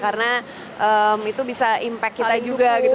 karena itu bisa impact kita juga gitu